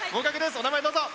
お名前、どうぞ。